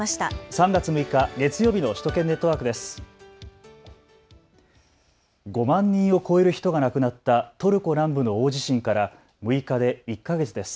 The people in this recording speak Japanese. ３月６日、月曜日の首都圏ネットワークです。